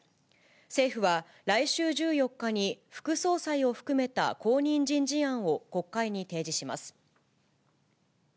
政府は来週１４日に副総裁を含めた後任人事案を国会に提示します。